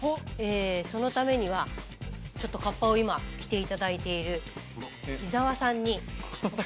そのためにはちょっとカッパを今着て頂いている伊澤さんに。